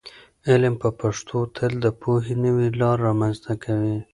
علم په پښتو تل د پوهې نوې لارې رامنځته کوي.